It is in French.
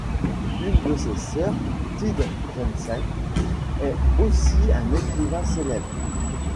Une de ses sœurs, Thit Jensen, est aussi un écrivain célèbre.